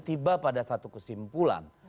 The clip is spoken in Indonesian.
tiba pada satu kesimpulan